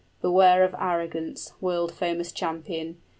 } Beware of arrogance, world famous champion!